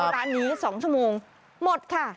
ร้านนี้๒ชั่วโมงหมดค่ะ